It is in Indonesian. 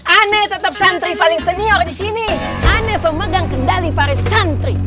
ane tetap santri paling senior disini ane pemegang kendali varis santri